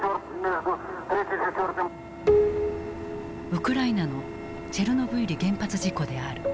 ウクライナのチェルノブイリ原発事故である。